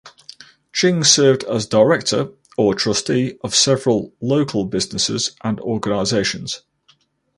Ching served as director or trustee of several local businesses and organizations.